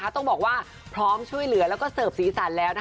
ต้องบอกว่าพร้อมช่วยเหลือแล้วก็เสิร์ฟสีสันแล้ว